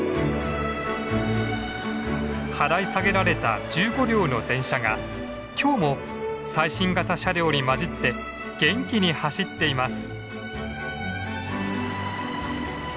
払い下げられた１５両の電車が今日も最新型の車両に混じって元気に走っています。